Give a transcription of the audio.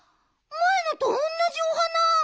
まえのとおんなじお花！